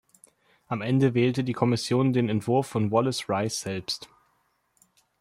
Am Ende wählte die Kommission den Entwurf von Wallace Rice selbst.